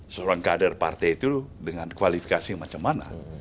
seorang kader partai itu dengan kualifikasi macam mana